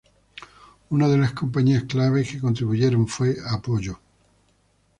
Una de las compañías clave que contribuyeron fue Apollo.